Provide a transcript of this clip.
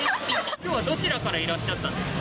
きょうはどちらからいらっしゃったんですか？